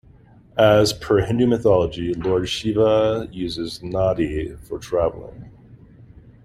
As per Hindu mythology Lord Shiva uses Nandi for traveling.